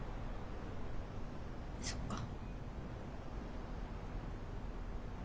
そっか。